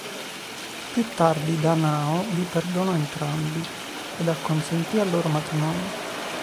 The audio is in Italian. Più tardi Danao li perdonò entrambi ed acconsentì al loro matrimonio.